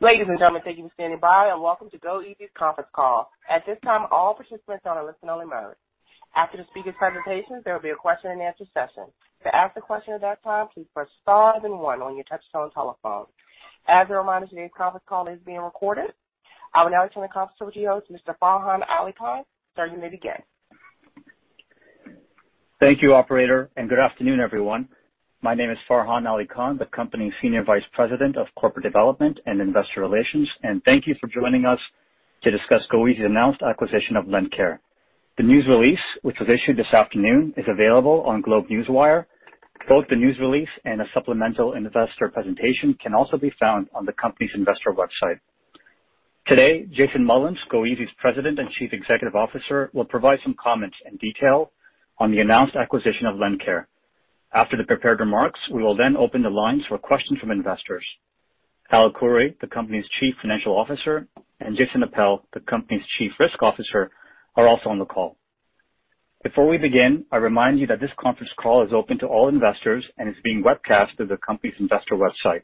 Ladies and gentlemen, thank you for standing by, and welcome to goeasy's conference call. At this time, all participants are in a listen-only mode. After the speaker's presentation, there will be a question-and-answer session. To ask a question at that time, please press star then one on your touch-tone telephone. As a reminder, today's conference call is being recorded. I will now turn the conference over to you, Mr. Farhan Ali Khan, starting it again. Thank you, operator. Good afternoon, everyone. My name is Farhan Ali Khan, the company's Senior Vice President of Corporate Development and Investor Relations. Thank you for joining us to discuss goeasy's announced acquisition of LendCare. The news release, which was issued this afternoon, is available on GlobeNewswire. Both the news release and a supplemental investor presentation can also be found on the company's investor website. Today, Jason Mullins, goeasy's President and Chief Executive Officer, will provide some comments and detail on the announced acquisition of LendCare. After the prepared remarks, we will open the lines for questions from investors. Hal Khouri, the company's Chief Financial Officer, and Jason Appel, the company's Chief Risk Officer, are also on the call. Before we begin, I remind you that this conference call is open to all investors and is being webcasted to the company's investor website.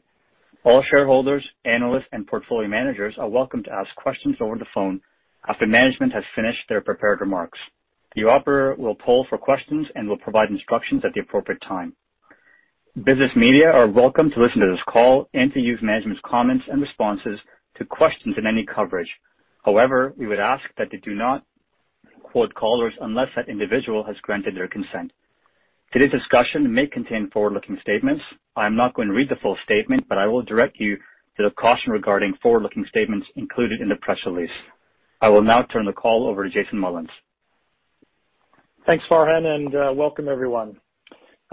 All shareholders, analysts, and portfolio managers are welcome to ask questions over the phone after management has finished their prepared remarks. The operator will poll for questions and will provide instructions at the appropriate time. Business media are welcome to listen to this call and to use management's comments and responses to questions in any coverage. However, we would ask that they do not quote callers unless that individual has granted their consent. Today's discussion may contain forward-looking statements. I'm not going to read the full statement, but I will direct you to the caution regarding forward-looking statements included in the press release. I will now turn the call over to Jason Mullins. Thanks, Farhan. Welcome everyone.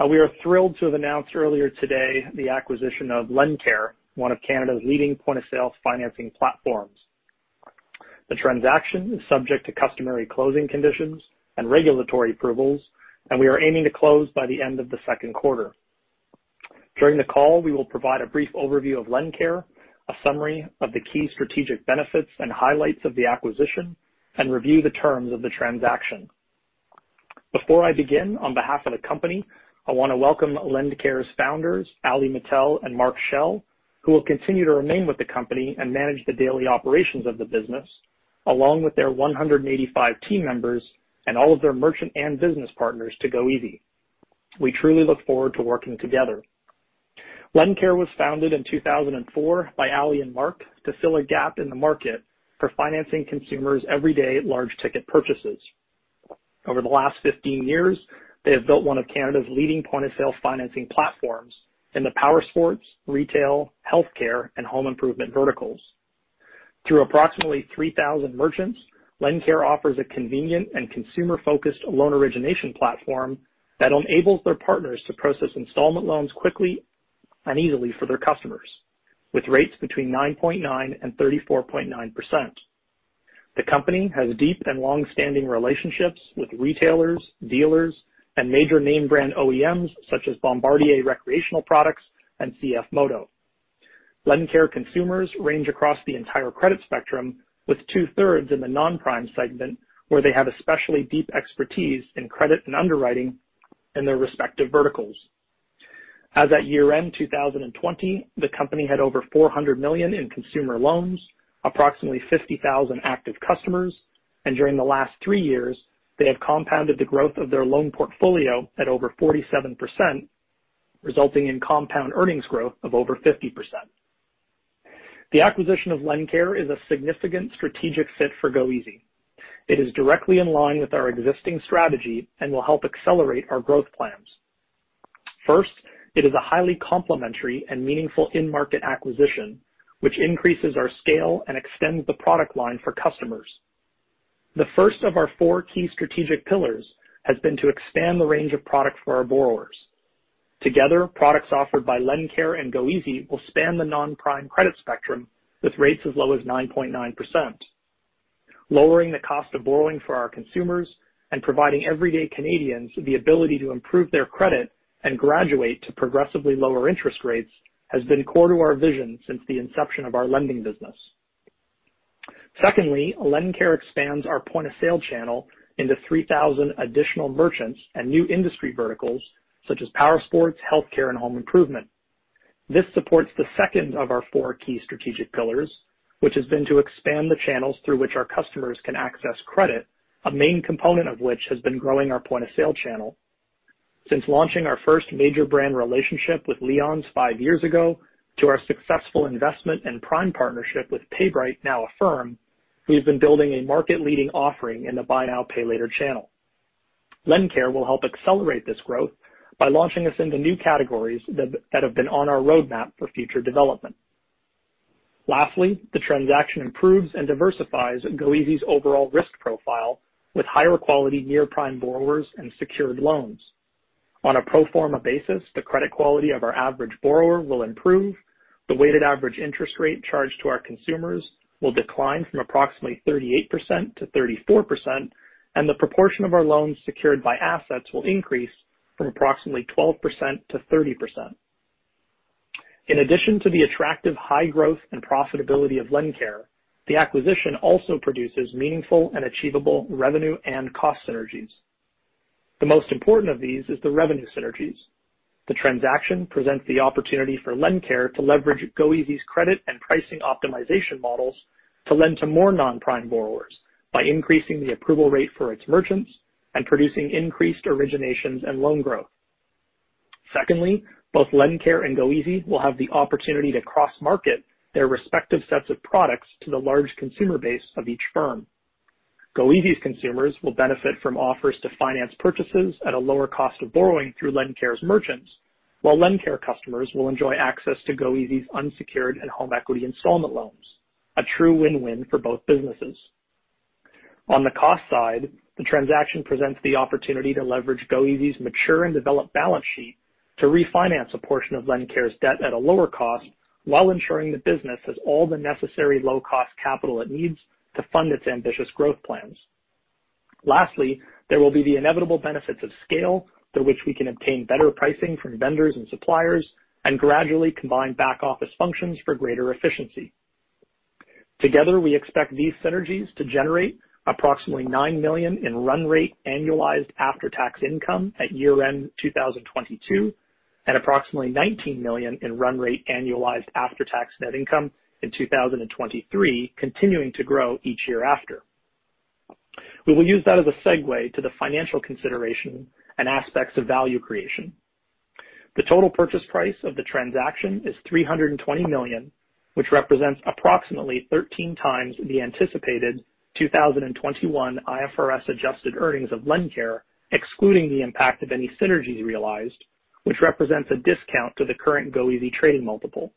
We are thrilled to have announced earlier today the acquisition of LendCare, one of Canada's leading point-of-sale financing platforms. The transaction is subject to customary closing conditions and regulatory approvals, and we are aiming to close by the end of the second quarter. During the call, we will provide a brief overview of LendCare, a summary of the key strategic benefits and highlights of the acquisition, and review the terms of the transaction. Before I begin, on behalf of the company, I want to welcome LendCare's founders, Ali Metel and Mark Schell, who will continue to remain with the company and manage the daily operations of the business, along with their 185 team members and all of their merchant and business partners to goeasy. We truly look forward to working together. LendCare was founded in 2004 by Ali and Mark to fill a gap in the market for financing consumers' everyday large ticket purchases. Over the last 15 years, they have built one of Canada's leading point-of-sale financing platforms in the powersports, retail, healthcare, and home improvement verticals. Through approximately 3,000 merchants, LendCare offers a convenient and consumer-focused loan origination platform that enables their partners to process installment loans quickly and easily for their customers with rates between 9.9% and 34.9%. The company has deep and longstanding relationships with retailers, dealers, and major name brand OEMs such as Bombardier Recreational Products and CFMOTO. LendCare consumers range across the entire credit spectrum with two-thirds in the non-prime segment, where they have especially deep expertise in credit and underwriting in their respective verticals. As at year-end 2020, the company had over 400 million in consumer loans, approximately 50,000 active customers, and during the last three years, they have compounded the growth of their loan portfolio at over 47%, resulting in compound earnings growth of over 50%. The acquisition of LendCare is a significant strategic fit for goeasy. It is directly in line with our existing strategy and will help accelerate our growth plans. First, it is a highly complementary and meaningful in-market acquisition, which increases our scale and extends the product line for customers. The first of our four key strategic pillars has been to expand the range of product for our borrowers. Together, products offered by LendCare and goeasy will span the non-prime credit spectrum with rates as low as 9.9%. Lowering the cost of borrowing for our consumers and providing everyday Canadians the ability to improve their credit and graduate to progressively lower interest rates has been core to our vision since the inception of our lending business. Secondly, LendCare expands our point-of-sale channel into 3,000 additional merchants and new industry verticals such as powersports, healthcare, and home improvement. This supports the second of our four key strategic pillars, which has been to expand the channels through which our customers can access credit, a main component of which has been growing our point-of-sale channel. Since launching our first major brand relationship with Leon's five years ago to our successful investment and prime partnership with PayBright, now Affirm, we have been building a market-leading offering in the buy now, pay later channel. LendCare will help accelerate this growth by launching us into new categories that have been on our roadmap for future development. Lastly, the transaction improves and diversifies goeasy's overall risk profile with higher quality near-prime borrowers and secured loans. On a pro forma basis, the credit quality of our average borrower will improve, the weighted average interest rate charged to our consumers will decline from approximately 38% to 34%, and the proportion of our loans secured by assets will increase from approximately 12% to 30%. In addition to the attractive high growth and profitability of LendCare, the acquisition also produces meaningful and achievable revenue and cost synergies. The most important of these is the revenue synergies. The transaction presents the opportunity for LendCare to leverage goeasy's credit and pricing optimization models to lend to more non-prime borrowers by increasing the approval rate for its merchants and producing increased originations and loan growth. Secondly, both LendCare and goeasy will have the opportunity to cross-market their respective sets of products to the large consumer base of each firm. goeasy's consumers will benefit from offers to finance purchases at a lower cost of borrowing through LendCare's merchants, while LendCare customers will enjoy access to goeasy's unsecured and home equity installment loans. A true win-win for both businesses. On the cost side, the transaction presents the opportunity to leverage goeasy's mature and developed balance sheet to refinance a portion of LendCare's debt at a lower cost while ensuring the business has all the necessary low-cost capital it needs to fund its ambitious growth plans. Lastly, there will be the inevitable benefits of scale through which we can obtain better pricing from vendors and suppliers and gradually combine back-office functions for greater efficiency. Together, we expect these synergies to generate approximately 9 million in run rate annualized after-tax income at year-end 2022 and approximately CAD 19 million in run rate annualized after-tax net income in 2023, continuing to grow each year after. We will use that as a segue to the financial consideration and aspects of value creation. The total purchase price of the transaction is 320 million, which represents approximately 13x the anticipated 2021 IFRS-adjusted earnings of LendCare, excluding the impact of any synergies realized, which represents a discount to the current goeasy trading multiple.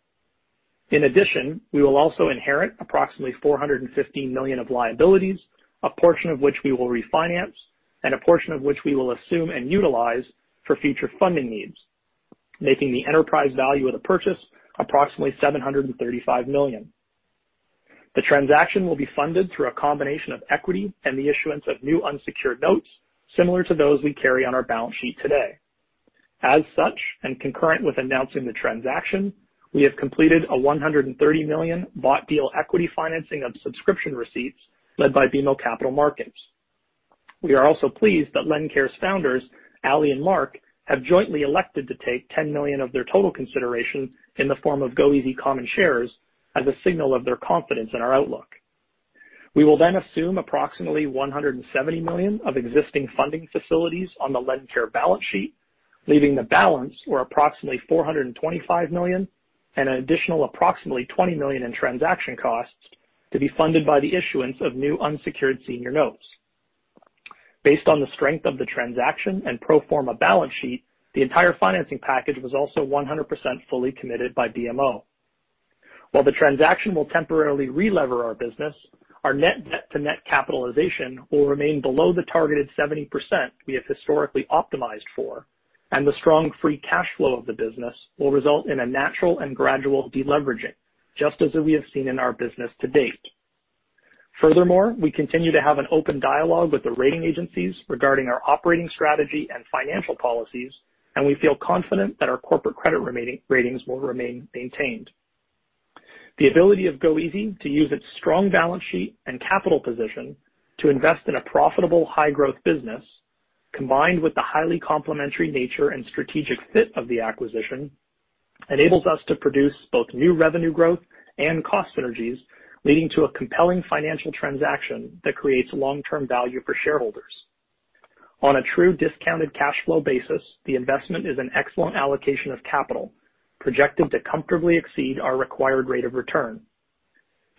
In addition, we will also inherit approximately 450 million of liabilities, a portion of which we will refinance and a portion of which we will assume and utilize for future funding needs, making the enterprise value of the purchase approximately 735 million. The transaction will be funded through a combination of equity and the issuance of new unsecured notes, similar to those we carry on our balance sheet today. As such, concurrent with announcing the transaction, we have completed a 130 million Bought Deal Equity Financing of subscription receipts led by BMO Capital Markets. We are also pleased that LendCare's founders, Ali and Mark, have jointly elected to take 10 million of their total consideration in the form of goeasy common shares as a signal of their confidence in our outlook. We will then assume approximately 170 million of existing funding facilities on the LendCare balance sheet, leaving the balance or approximately 425 million and an additional approximately 20 million in transaction costs to be funded by the issuance of new Unsecured Senior Notes. Based on the strength of the transaction and pro forma balance sheet, the entire financing package was also 100% fully committed by BMO. While the transaction will temporarily relever our business, our net debt to net capitalization will remain below the targeted 70% we have historically optimized for, and the strong free cash flow of the business will result in a natural and gradual deleveraging, just as we have seen in our business to date. Furthermore, we continue to have an open dialogue with the rating agencies regarding our operating strategy and financial policies, and we feel confident that our corporate credit ratings will remain maintained. The ability of goeasy to use its strong balance sheet and capital position to invest in a profitable high-growth business, combined with the highly complementary nature and strategic fit of the acquisition, enables us to produce both new revenue growth and cost synergies, leading to a compelling financial transaction that creates long-term value for shareholders. On a true discounted cash flow basis, the investment is an excellent allocation of capital, projected to comfortably exceed our required rate of return.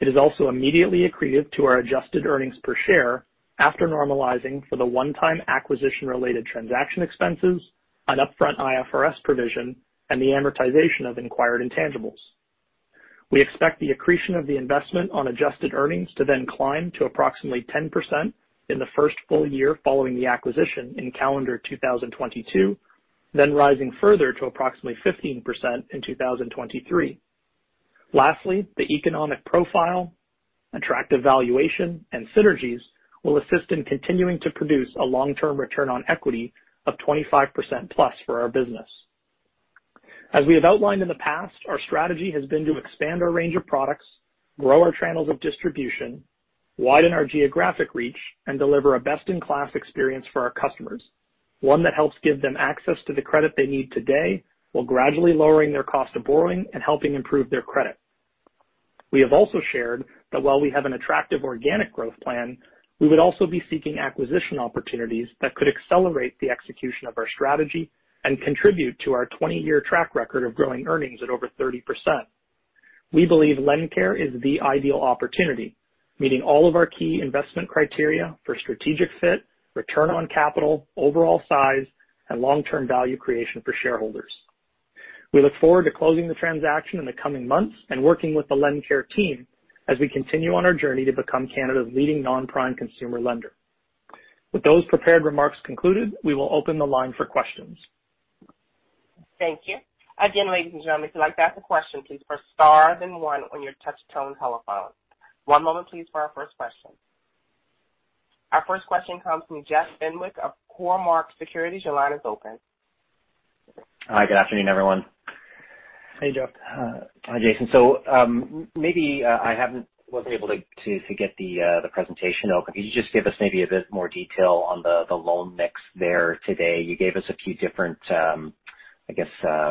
It is also immediately accretive to our adjusted earnings per share after normalizing for the one-time acquisition-related transaction expenses, an upfront IFRS provision, and the amortization of acquired intangibles. We expect the accretion of the investment on adjusted earnings to then climb to approximately 10% in the first full year following the acquisition in calendar 2022, then rising further to approximately 15% in 2023. Lastly, the economic profile, attractive valuation, and synergies will assist in continuing to produce a long-term return on equity of 25%+ for our business. As we have outlined in the past, our strategy has been to expand our range of products, grow our channels of distribution, widen our geographic reach, and deliver a best-in-class experience for our customers, one that helps give them access to the credit they need today while gradually lowering their cost of borrowing and helping improve their credit. We have also shared that while we have an attractive organic growth plan, we would also be seeking acquisition opportunities that could accelerate the execution of our strategy and contribute to our 20-year track record of growing earnings at over 30%. We believe LendCare is the ideal opportunity, meeting all of our key investment criteria for strategic fit, return on capital, overall size, and long-term value creation for shareholders. We look forward to closing the transaction in the coming months and working with the LendCare team as we continue on our journey to become Canada's leading non-prime consumer lender. With those prepared remarks concluded, we will open the line for questions. Thank you. Again, ladies and gentlemen, if you'd like to ask a question, please press star then one on your touch-tone telephone. One moment please for our first question. Our first question comes from Jeff Fenwick of Cormark Securities. Your line is open. Hi. Good afternoon, everyone. Hey, Jeff. Hi, Jason. Maybe I wasn't able to get the presentation open. Could you just give us maybe a bit more detail on the loan mix there today? You gave us a few different, I guess,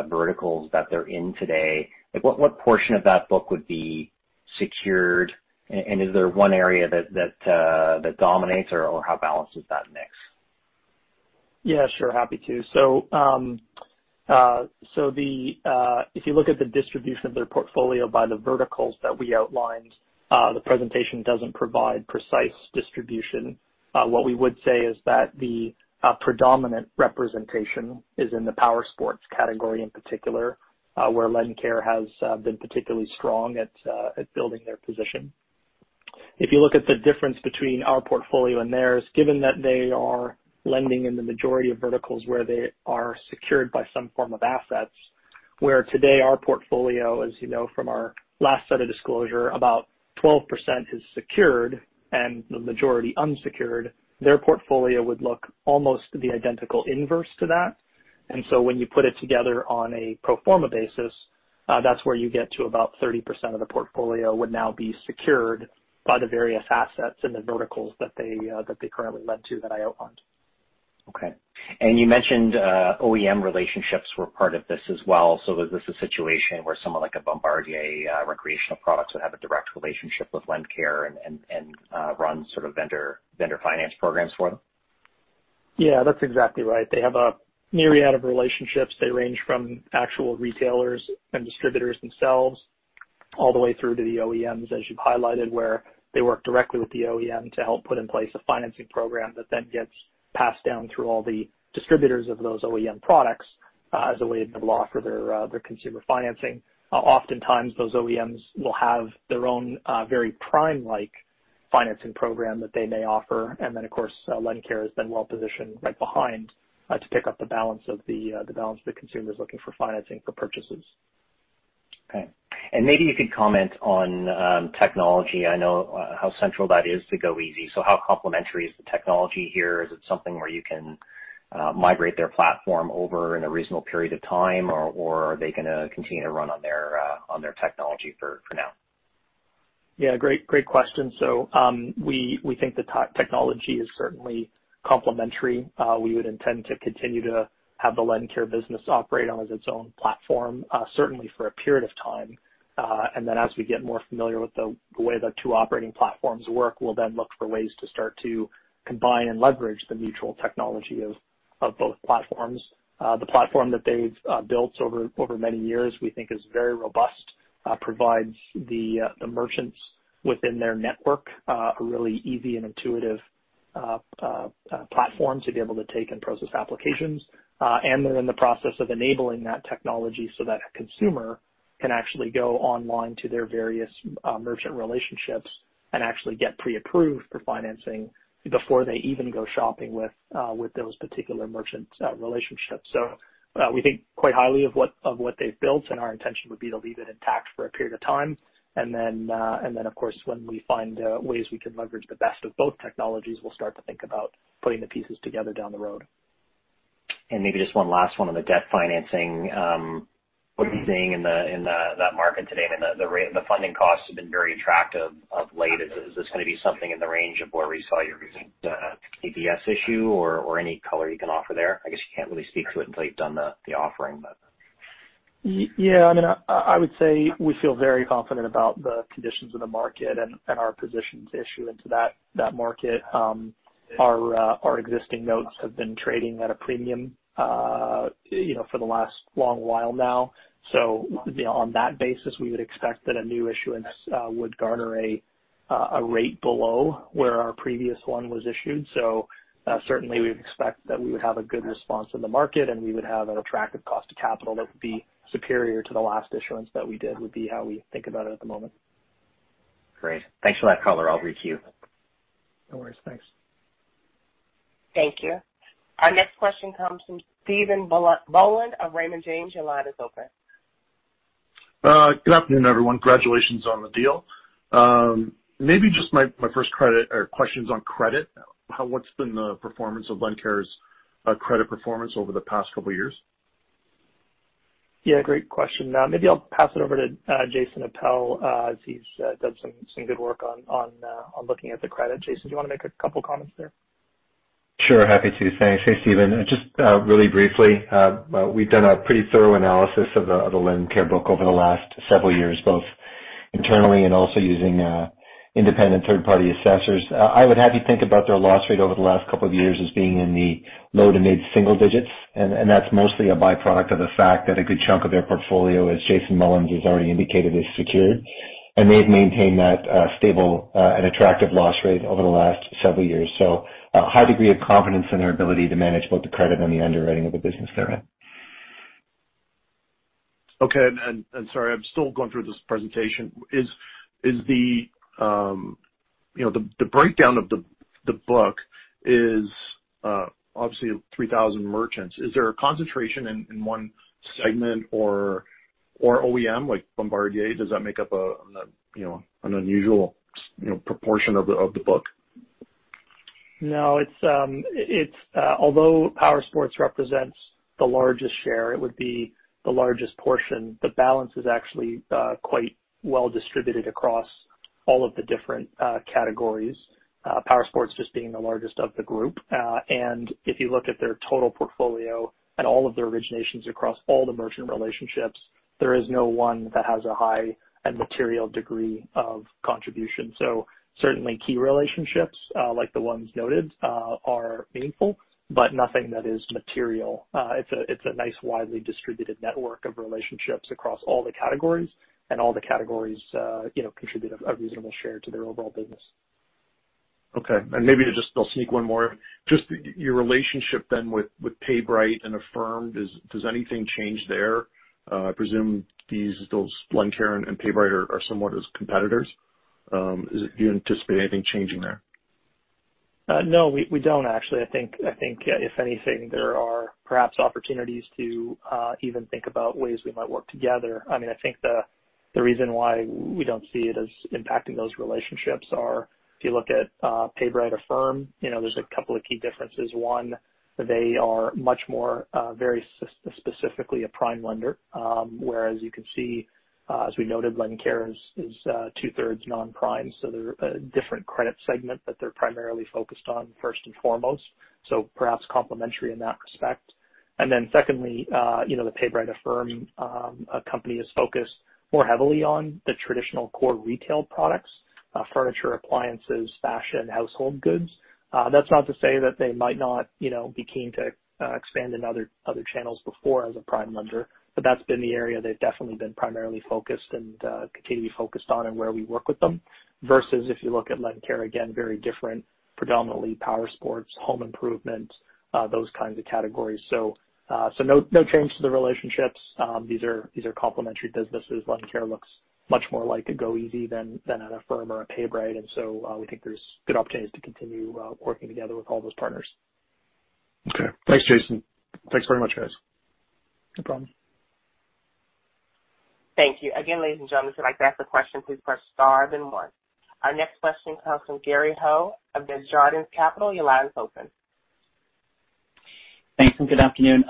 verticals that they're in today. What portion of that book would be secured, and is there one area that dominates, or how balanced is that mix? Yeah, sure. Happy to. If you look at the distribution of their portfolio by the verticals that we outlined, the presentation doesn't provide precise distribution. What we would say is that the predominant representation is in the powersports category in particular, where LendCare has been particularly strong at building their position. If you look at the difference between our portfolio and theirs, given that they are lending in the majority of verticals where they are secured by some form of assets. Where today our portfolio, as you know from our last set of disclosure, about 12% is secured and the majority unsecured. Their portfolio would look almost the identical inverse to that. When you put it together on a pro forma basis, that's where you get to about 30% of the portfolio would now be secured by the various assets in the verticals that they currently lend to that I outlined. Okay. You mentioned OEM relationships were part of this as well. Is this a situation where someone like a Bombardier Recreational Products would have a direct relationship with LendCare and run sort of vendor finance programs for them? Yeah, that's exactly right. They have a myriad of relationships. They range from actual retailers and distributors themselves all the way through to the OEMs, as you've highlighted, where they work directly with the OEM to help put in place a financing program that then gets passed down through all the distributors of those OEM products as a way to offer their consumer financing. Oftentimes, those OEMs will have their own very prime-like financing program that they may offer. Then, of course, LendCare is then well-positioned right behind to pick up the balance the consumer's looking for financing for purchases. Okay. Maybe you could comment on technology. I know how central that is to goeasy. How complementary is the technology here? Is it something where you can migrate their platform over in a reasonable period of time, or are they going to continue to run on their technology for now? Yeah. Great question. We think the technology is certainly complementary. We would intend to continue to have the LendCare business operate on its own platform certainly for a period of time. Then as we get more familiar with the way the two operating platforms work, we'll then look for ways to start to combine and leverage the mutual technology of both platforms. The platform that they've built over many years, we think is very robust, provides the merchants within their network a really easy and intuitive platform to be able to take and process applications. They're in the process of enabling that technology so that a consumer can actually go online to their various merchant relationships and actually get pre-approved for financing before they even go shopping with those particular merchant relationships. We think quite highly of what they've built, and our intention would be to leave it intact for a period of time. Then, of course, when we find ways we can leverage the best of both technologies, we'll start to think about putting the pieces together down the road. Maybe just one last one on the debt financing. What are you seeing in that market today? I mean, the funding costs have been very attractive of late. Is this going to be something in the range of where we saw your previous PPS issue or any color you can offer there? I guess you can't really speak to it until you've done the offering. Yeah. I would say we feel very confident about the conditions of the market and our position to issue into that market. Our existing notes have been trading at a premium for the last long while now. On that basis, we would expect that a new issuance would garner a rate below where our previous one was issued. Certainly we would expect that we would have a good response in the market, and we would have an attractive cost of capital that would be superior to the last issuance that we did, would be how we think about it at the moment. Great. Thanks for that color. I'll re-queue. No worries. Thanks. Thank you. Our next question comes from Stephen Boland of Raymond James. Your line is open. Good afternoon, everyone. Congratulations on the deal. Maybe just my first credit or questions on credit. What's been the performance of LendCare's credit performance over the past couple of years? Yeah, great question. Maybe I'll pass it over to Jason Appel as he's done some good work on looking at the credit. Jason, do you want to make a couple comments there? Sure. Happy to. Thanks. Hey, Stephen. Just really briefly, we've done a pretty thorough analysis of the LendCare book over the last several years, both internally and also using independent third-party assessors. I would have you think about their loss rate over the last couple of years as being in the low to mid-single digits. That's mostly a byproduct of the fact that a good chunk of their portfolio, as Jason Mullins has already indicated, is secured. They've maintained that stable and attractive loss rate over the last several years. A high degree of confidence in their ability to manage both the credit and the underwriting of the business they're in. Okay. Sorry, I'm still going through this presentation. The breakdown of the book is obviously 3,000 merchants. Is there a concentration in one segment or OEM like Bombardier? Does that make up an unusual proportion of the book? No. Although powersports represents the largest share, it would be the largest portion. The balance is actually quite well-distributed across all of the different categories, powersports just being the largest of the group. If you look at their total portfolio and all of their originations across all the merchant relationships, there is no one that has a high and material degree of contribution. Certainly, key relationships, like the ones noted, are meaningful, but nothing that is material. It's a nice widely distributed network of relationships across all the categories, and all the categories contribute a reasonable share to their overall business. Okay. Maybe I'll sneak one more in. Your relationship with PayBright and Affirm, does anything change there? I presume those, LendCare and PayBright are somewhat as competitors. Do you anticipate anything changing there? No, we don't, actually. I think if anything, there are perhaps opportunities to even think about ways we might work together. I think the reason why we don't see it as impacting those relationships are if you look at PayBright, Affirm, there's a couple of key differences. One, they are much more very specifically a prime lender, whereas you can see, as we noted, LendCare is 2/3 non-prime, so they're a different credit segment that they're primarily focused on first and foremost, so perhaps complementary in that respect. Secondly, the PayBright, Affirm company is focused more heavily on the traditional core retail products, furniture, appliances, fashion, household goods. That's not to say that they might not be keen to expand in other channels before as a prime lender, that's been the area they've definitely been primarily focused and continue to be focused on and where we work with them, versus if you look at LendCare, again, very different, predominantly powersports, home improvement, those kinds of categories. No change to the relationships. These are complementary businesses. LendCare looks much more like a goeasy than an Affirm or a PayBright, We think there's good opportunities to continue working together with all those partners. Okay. Thanks, Jason. Thanks very much, guys. No problem. Thank you. Again, ladies and gentlemen, if you'd like to ask a question, please press star then one. Our next question comes from Gary Ho of Desjardins Capital. Your line is open. Thanks, and good afternoon.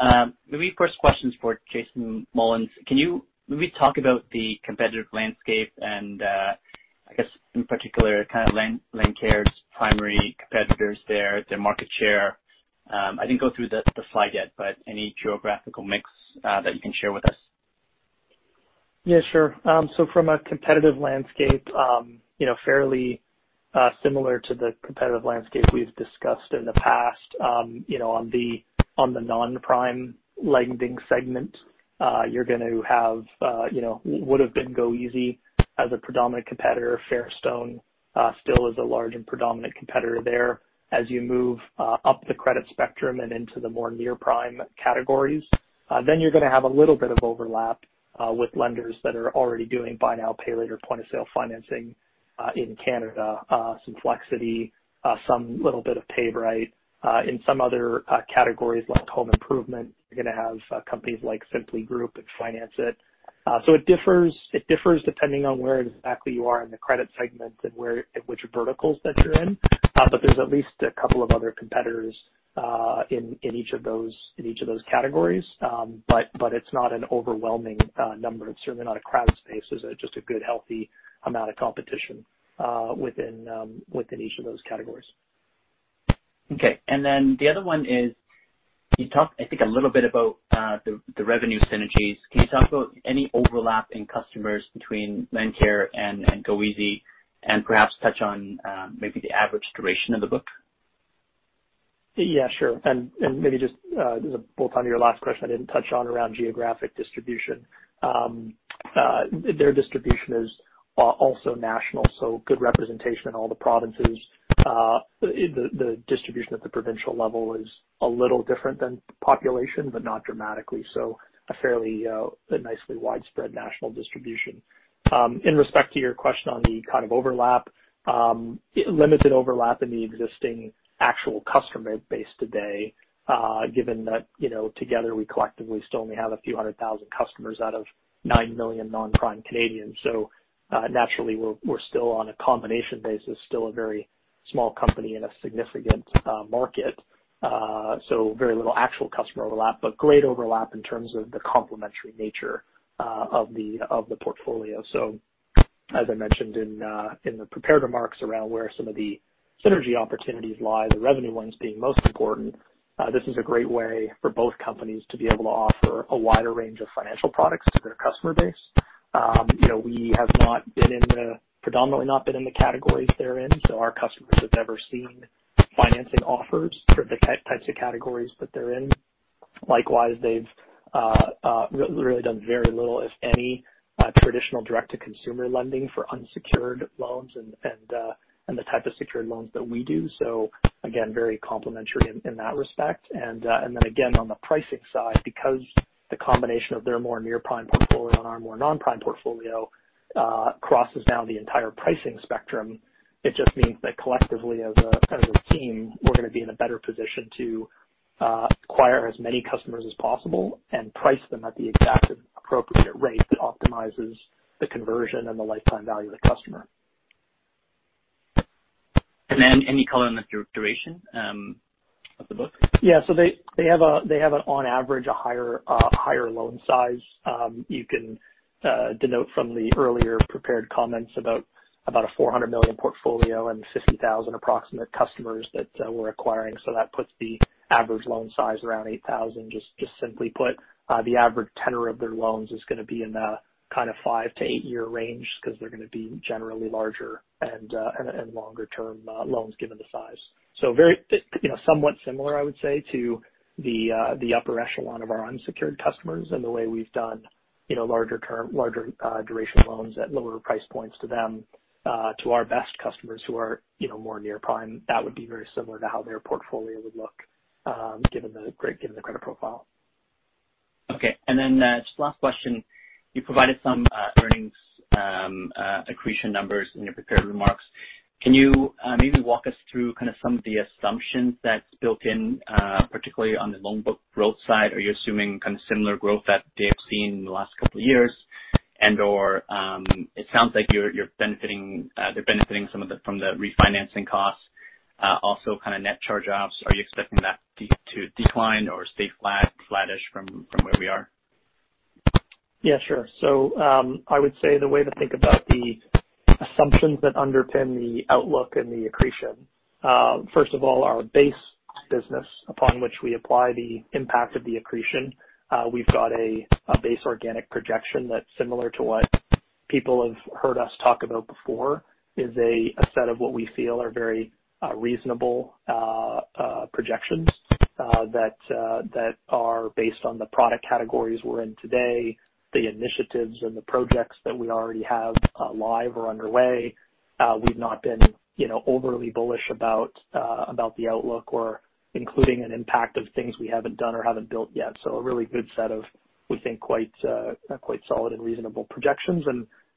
Maybe first question's for Jason Mullins. Can you maybe talk about the competitive landscape and, I guess, in particular, LendCare's primary competitors there, their market share? I didn't go through the slide yet, but any geographical mix that you can share with us. Yeah, sure. From a competitive landscape, fairly similar to the competitive landscape we've discussed in the past. On the non-prime lending segment, you're going to have what have been goeasy as a predominant competitor. Fairstone still is a large and predominant competitor there. As you move up the credit spectrum and into the more near-prime categories, then you're gonna have a little bit of overlap with lenders that are already doing buy now, pay later point-of-sale financing in Canada. Some Flexiti some little bit of PayBright. In some other categories like home improvement, you're gonna have companies like Simply Group and Financeit. It differs depending on where exactly you are in the credit segment and which verticals that you're in. There's at least a couple of other competitors in each of those categories. It's not an overwhelming number. It's certainly not a crowded space. There's just a good, healthy amount of competition within each of those categories. Okay. Then the other one is, you talked, I think, a little bit about the revenue synergies. Can you talk about any overlap in customers between LendCare and goeasy and perhaps touch on maybe the average duration of the book? Yeah, sure. Maybe just to bolt on to your last question I didn't touch on around geographic distribution. Their distribution is also national, good representation in all the provinces. The distribution at the provincial level is a little different than population, but not dramatically. A fairly nicely widespread national distribution. In respect to your question on the kind of overlap, limited overlap in the existing actual customer base today, given that together we collectively still only have a few hundred thousand customers out of 9 million non-prime Canadians. Naturally we're, on a combination basis, still a very small company in a significant market. Very little actual customer overlap, but great overlap in terms of the complementary nature of the portfolio. As I mentioned in the prepared remarks around where some of the synergy opportunities lie, the revenue ones being most important. This is a great way for both companies to be able to offer a wider range of financial products to their customer base. We have predominantly not been in the categories they're in, so our customers have never seen financing offers for the types of categories that they're in. Likewise, they've really done very little, if any, traditional direct-to-consumer lending for unsecured loans and the type of secured loans that we do. Again, very complementary in that respect. Again, on the pricing side, because the combination of their more near-prime portfolio and our more non-prime portfolio crosses now the entire pricing spectrum, it just means that collectively as a kind of a team, we're going to be in a better position to acquire as many customers as possible and price them at the exact appropriate rate that optimizes the conversion and the lifetime value of the customer. Any color on the duration of the book? Yeah. They have, on average, a higher loan size. You can denote from the earlier prepared comments about a 400 million portfolio and 50,000 approximate customers that we're acquiring. That puts the average loan size around 8,000. Just simply put, the average tenor of their loans is going to be in the five to eight-year range because they're going to be generally larger and longer-term loans given the size. Somewhat similar, I would say, to the upper echelon of our unsecured customers and the way we've done larger duration loans at lower price points to them, to our best customers who are more near-prime. That would be very similar to how their portfolio would look given the credit profile. Okay. Just last question. You provided some earnings accretion numbers in your prepared remarks. Can you maybe walk us through some of the assumptions that's built in, particularly on the loan book growth side? Are you assuming similar growth that they have seen in the last couple of years? It sounds like they're benefiting some from the refinancing costs. Also kind of net charge-offs. Are you expecting that to decline or stay flattish from where we are? Yeah, sure. I would say the way to think about the assumptions that underpin the outlook and the accretion. First of all, our base business upon which we apply the impact of the accretion, we've got a base organic projection that's similar to what people have heard us talk about before, is a set of what we feel are very reasonable projections that are based on the product categories we're in today, the initiatives and the projects that we already have live or underway. We've not been overly bullish about the outlook or including an impact of things we haven't done or haven't built yet. A really good set of, we think, quite solid and reasonable projections.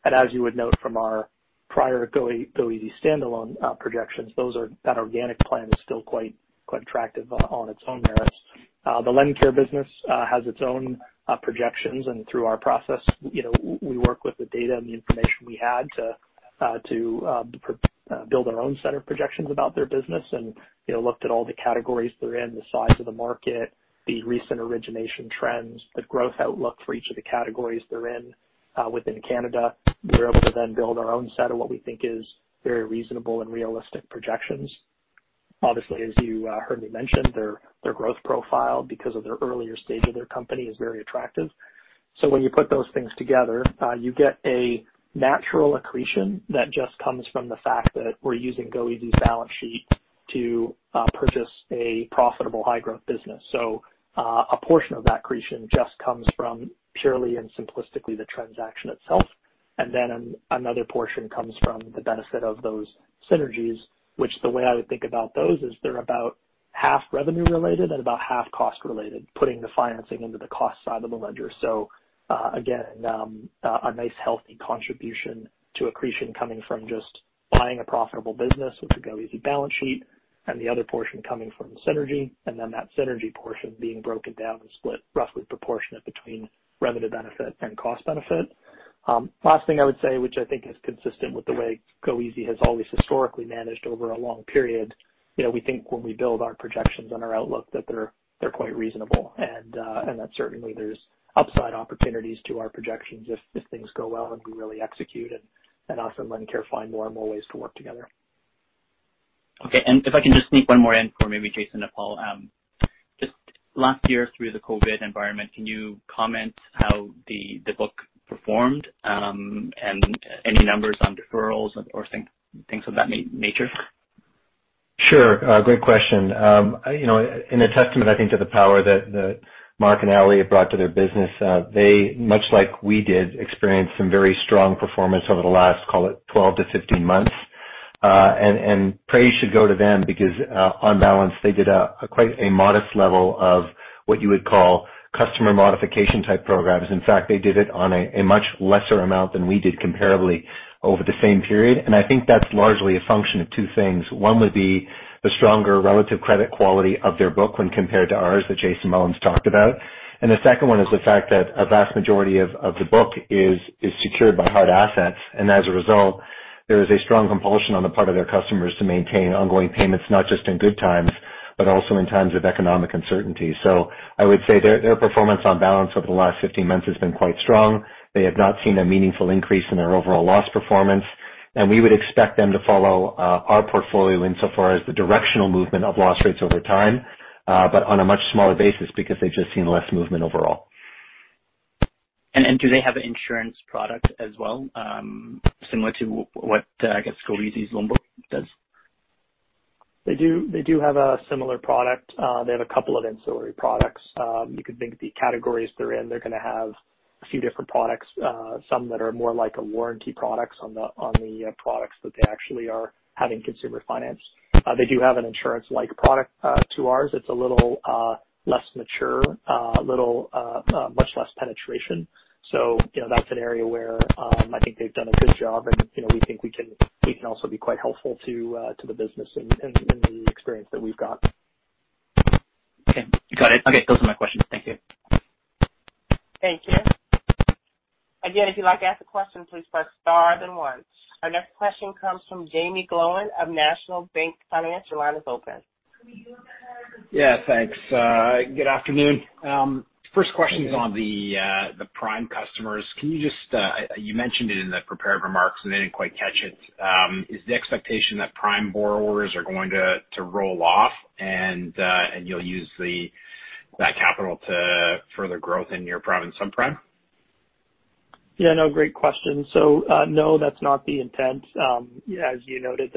As you would note from our prior goeasy standalone projections, that organic plan is still quite attractive on its own merits. The LendCare business has its own projections, and through our process, we work with the data and the information we had to build our own set of projections about their business and looked at all the categories they're in, the size of the market, the recent origination trends, the growth outlook for each of the categories they're in within Canada. We were able to then build our own set of what we think is very reasonable and realistic projections. Obviously, as you heard me mention, their growth profile, because of their earlier stage of their company, is very attractive. When you put those things together, you get a natural accretion that just comes from the fact that we're using goeasy's balance sheet to purchase a profitable high-growth business. A portion of that accretion just comes from purely and simplistically the transaction itself. Then another portion comes from the benefit of those synergies, which the way I would think about those is they're about half revenue related and about half cost related, putting the financing into the cost side of the ledger. Again, a nice healthy contribution to accretion coming from just buying a profitable business with the goeasy balance sheet and the other portion coming from synergy, then that synergy portion being broken down and split roughly proportionate between revenue benefit and cost benefit. Last thing I would say, which I think is consistent with the way goeasy has always historically managed over a long period. We think when we build our projections and our outlook that they're quite reasonable and that certainly there's upside opportunities to our projections if things go well and we really execute and us and LendCare find more and more ways to work together. Okay. If I can just sneak one more in for maybe Jason or Hal. Just last year, through the COVID environment, can you comment how the book performed? Any numbers on deferrals or things of that nature? Sure. Great question. In a testament, I think to the power that Mark and Ali have brought to their business. They, much like we did, experienced some very strong performance over the last, call it 12-15 months. Praise should go to them because, on balance, they did quite a modest level of what you would call customer modification type programs. In fact, they did it on a much lesser amount than we did comparably over the same period. I think that's largely a function of two things. One would be the stronger relative credit quality of their book when compared to ours that Jason Mullins talked about. The second one is the fact that a vast majority of the book is secured by hard assets. As a result, there is a strong compulsion on the part of their customers to maintain ongoing payments, not just in good times, but also in times of economic uncertainty. I would say their performance on balance over the last 15 months has been quite strong. They have not seen a meaningful increase in their overall loss performance. We would expect them to follow our portfolio insofar as the directional movement of loss rates over time, but on a much smaller basis because they've just seen less movement overall. Do they have an insurance product as well, similar to what, I guess goeasy's loan book does? They do have a similar product. They have a couple of ancillary products. You could think of the categories they're in. They're going to have a few different products, some that are more like a warranty products on the products that they actually are having consumer finance. They do have an insurance-like product to ours. It's a little less mature, much less penetration. That's an area where I think they've done a good job and we think we can also be quite helpful to the business in the experience that we've got. Okay. Got it. Okay. Those are my questions. Thank you. Thank you. Again, if you'd like to ask a question, please press star then one. Our next question comes from Jaeme Gloyn of National Bank Financial. Your line is open. Yeah, thanks. Good afternoon. First question, yeah, is on the prime customers. You mentioned it in the prepared remarks, and I didn't quite catch it. Is the expectation that prime borrowers are going to roll off and you'll use that capital to further growth in your prime and subprime? Yeah, no. Great question. No, that's not the intent. As you noted,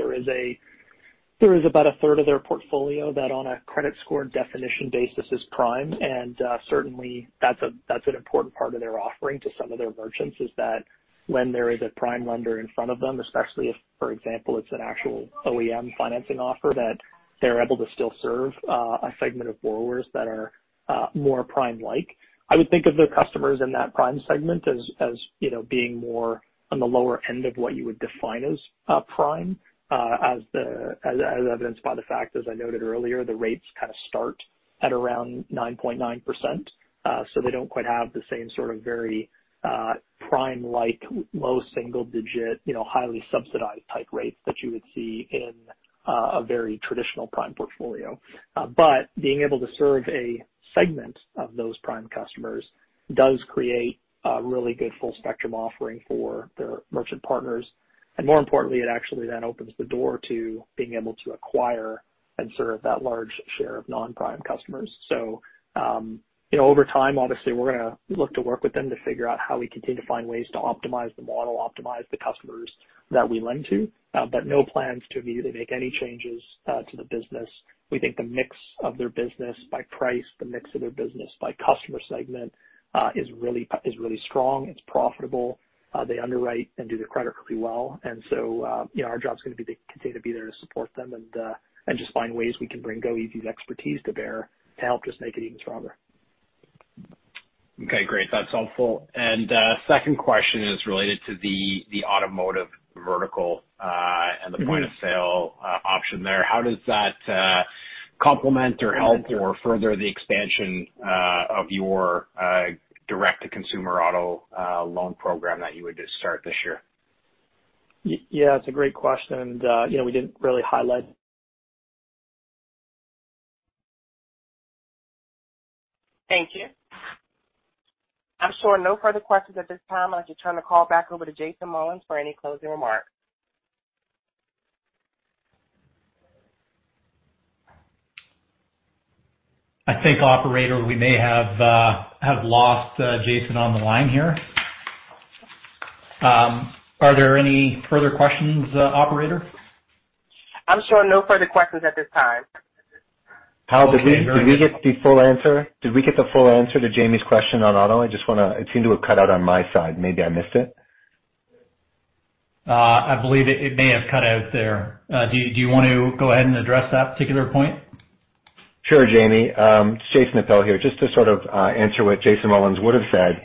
there is about a third of their portfolio that on a credit score definition basis is prime, and certainly that's an important part of their offering to some of their merchants is that when there is a prime lender in front of them, especially if, for example, it's an actual OEM financing offer, that they're able to still serve a segment of borrowers that are more prime-like. I would think of the customers in that prime segment as being more on the lower end of what you would define as prime as evidenced by the fact, as I noted earlier, the rates kind of start at around 9.9%. They don't quite have the same sort of very prime-like, low single-digit, highly subsidized type rates that you would see in a very traditional prime portfolio. Being able to serve a segment of those prime customers does create a really good full-spectrum offering for their merchant partners. More importantly, it actually opens the door to being able to acquire and serve that large share of non-prime customers. Over time, obviously, we're going to look to work with them to figure out how we continue to find ways to optimize the model, optimize the customers that we lend to. No plans to immediately make any changes to the business. We think the mix of their business by price, the mix of their business by customer segment is really strong. It's profitable. They underwrite and do their credit pretty well. Our job is going to be to continue to be there to support them and just find ways we can bring goeasy's expertise to bear to help just make it even stronger. Okay, great. That is helpful. Second question is related to the automotive vertical. The point-of-sale option there. How does that complement or help or further the expansion of your direct-to-consumer auto loan program that you would just start this year? Yeah, it's a great question. We didn't really highlight. Thank you. I am showing no further questions at this time. I will just turn the call back over to Jason Mullins for any closing remarks. I think, operator, we may have lost Jason on the line here. Are there any further questions, operator? I'm showing no further questions at this time. Hal, did we get the full answer? Did we get the full answer to Jaeme's question on auto? It seemed to have cut out on my side. Maybe I missed it. I believe it may have cut out there. Do you want to go ahead and address that particular point? Sure, Jaeme. Jason Appel here. Just to sort of answer what Jason Mullins would have said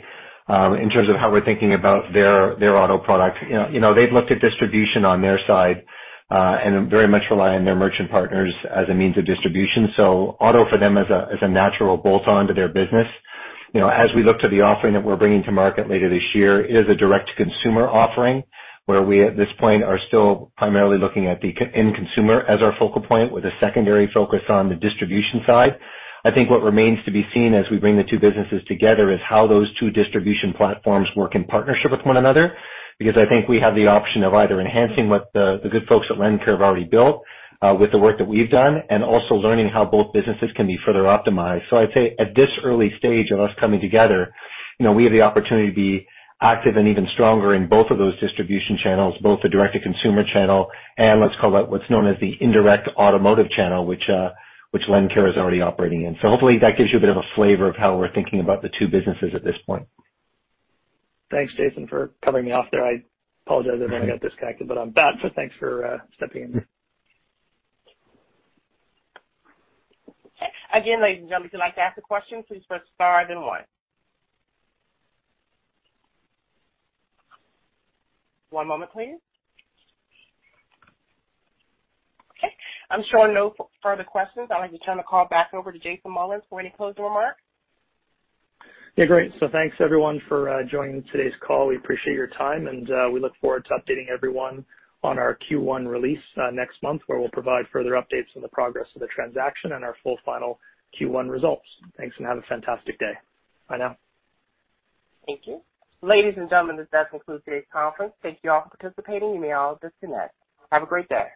in terms of how we're thinking about their auto product. They've looked at distribution on their side and very much rely on their merchant partners as a means of distribution. Auto for them is a natural bolt-on to their business. As we look to the offering that we're bringing to market later this year, it is a direct-to-consumer offering where we, at this point, are still primarily looking at the end consumer as our focal point with a secondary focus on the distribution side. I think what remains to be seen as we bring the two businesses together is how those two distribution platforms work in partnership with one another. I think we have the option of either enhancing what the good folks at LendCare have already built with the work that we've done and also learning how both businesses can be further optimized. I'd say at this early stage of us coming together, we have the opportunity to be active and even stronger in both of those distribution channels, both the direct-to-consumer channel and let's call that what's known as the Indirect Automotive channel, which LendCare is already operating in. Hopefully that gives you a bit of a flavor of how we're thinking about the two businesses at this point. Thanks, Jason, for covering me off there. Yeah everyone I got disconnected, but thanks for stepping in. Okay. Again, ladies and gentlemen, if you'd like to ask a question, please press star then one. One moment, please. Okay. I'm showing no further questions. I'd like to turn the call back over to Jason Mullins for any closing remarks. Yeah, great. Thanks, everyone, for joining today's call. We appreciate your time, and we look forward to updating everyone on our Q1 release next month, where we'll provide further updates on the progress of the transaction and our full final Q1 results. Thanks, and have a fantastic day. Bye now. Thank you. Ladies and gentlemen, this does conclude today's conference. Thank you all for participating. You may all disconnect. Have a great day.